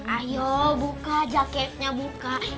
ayo buka jaketnya buka